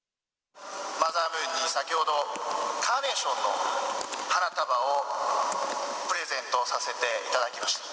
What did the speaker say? マザームーンに先ほど、カーネーションの花束をプレゼントさせていただきました。